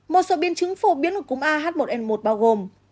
một số biến chứng phổ biến của cúm ah một n một bao gồm